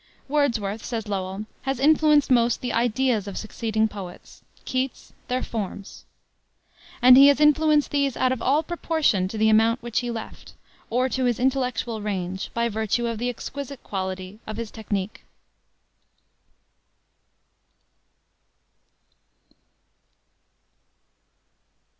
"Wordsworth," says Lowell, "has influenced most the ideas of succeeding poets; Keats their forms." And he has influenced these out of all proportion to the amount which he left, or to his intellectual range, by virtue of the exquisite quality of his technique.